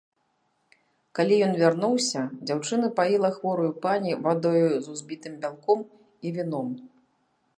Калі ён вярнуўся, дзяўчына паіла хворую пані вадою з узбітым бялком і віном.